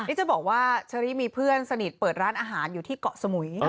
นี่จะบอกว่าเชอรี่มีเพื่อนสนิทเปิดร้านอาหารอยู่ที่เกาะสมุย